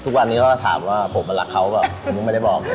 ทุกวันนี้ถ้าถามว่าผมมันรักเขาแบบมึงไม่ได้บอก